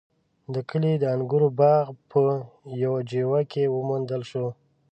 د کلي د انګورو باغ په يوه جیوه کې وموندل شو.